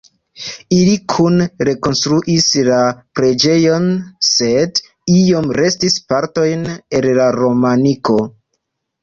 Ili kune rekonstruis la preĝejon, sed iom restis partoj el la romaniko.